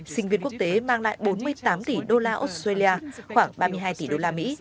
sinh viên quốc tế mang lại bốn mươi tám tỷ đô la australia khoảng ba mươi hai tỷ đô la mỹ